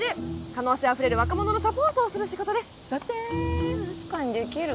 可能性あふれる」「若者のサポートをする仕事です」だってあす花にできる？